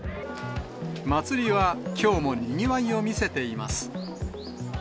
祭りはきょうもにぎわいを見せています。